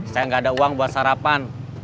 saya nggak ada uang buat sarapan